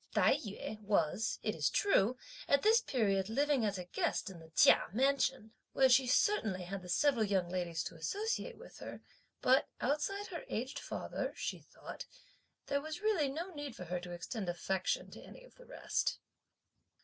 Tai yü was, it is true, at this period living as a guest in the Chia mansion, where she certainly had the several young ladies to associate with her, but, outside her aged father, (she thought) there was really no need for her to extend affection to any of the rest.